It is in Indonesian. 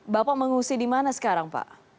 bapak mengungsi di mana sekarang pak